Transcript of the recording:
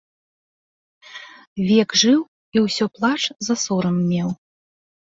Век жыў і ўсё плач за сорам меў.